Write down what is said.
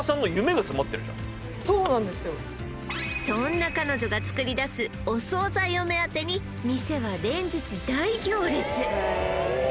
そんな彼女が作り出すお惣菜を目当てに店は連日大行列